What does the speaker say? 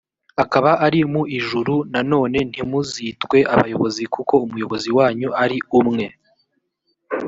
akaba ari mu ijuru nanone ntimuzitwe abayobozi kuko umuyobozi wanyu ari umwe